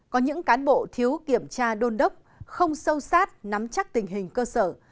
có những cán bộ thiếu kiểm tra đôn đốc không sâu sát nắm chắc tình hình cơ sở